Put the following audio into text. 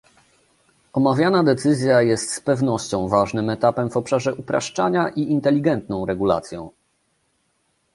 Omawiana decyzja jest z pewnością ważnym etapem w obszarze upraszczania i inteligentną regulacją